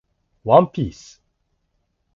ワンピース